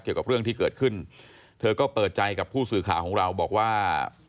เกี่ยวกับเรื่องที่เกิดขึ้นเธอก็เปิดใจกับผู้สื่อข่าวของเราบอกว่า